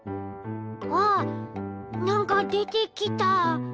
わっなんかでてきた！